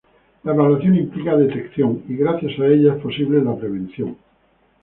La evaluación implica detección y, gracias a ella, es posible la prevención.